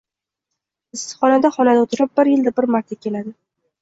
Issiqqina xonada oʻtirib, bir yilda bir marta keladi